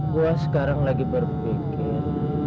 gue sekarang lagi berpikir